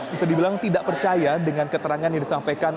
bisa dibilang tidak percaya dengan keterangan yang disampaikan